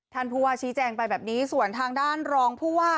ท่านผู้ว่าชี้แจงไปแบบนี้ส่วนทางด้านรองผู้ว่า